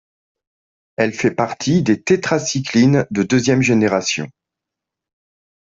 Elle fait partie des tétracyclines de deuxième génération.